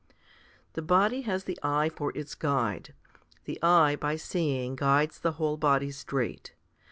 2. The body has the eye for its guide. The eye, by seeing, guides the whole body straight.